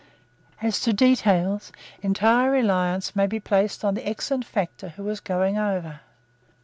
As to details, entire reliance might be placed on the excellent factor who was going over.